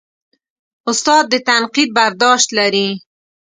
استاد د تنقید برداشت لري.